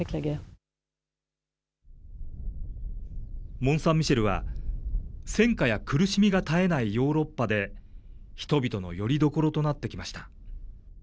モンサンミシェルは戦火や苦しみが絶えないヨーロッパで、人々のよりどころとなってきました。